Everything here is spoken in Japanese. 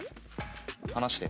離して。